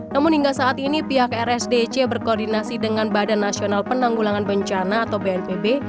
namun hingga saat ini pihak rsdc berkoordinasi dengan badan nasional penanggulangan bencana atau bnpb